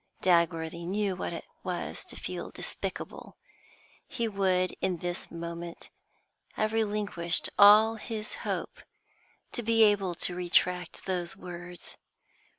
Dagworthy knew what it was to feel despicable. He would, in this moment, have relinquished all his hope to be able to retract those words.